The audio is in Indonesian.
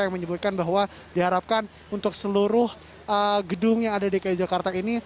yang menyebutkan bahwa diharapkan untuk seluruh gedung yang ada di dki jakarta ini